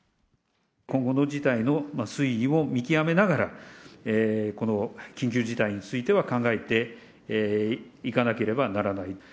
今後の事態の推移を見極めながら、この緊急事態については考えていかなければならない。